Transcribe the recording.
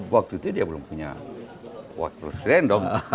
waktu itu dia belum punya wakil presiden dong